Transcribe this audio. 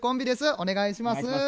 お願いします。